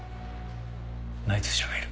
内通者がいる。